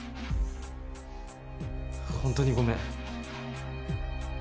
本当にごめん。